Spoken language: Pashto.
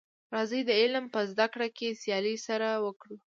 راځی د علم په زده کړه کي سیالي سره وکړو.